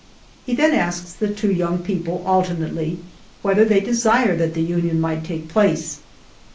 He then asks the two young people alter nately, whether they desire that the union might take place.